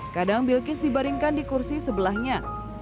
kadang bilkis dibaringkan di kursi sebelahnya